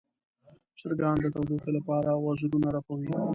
چرګان د تودوخې لپاره وزرونه رپوي.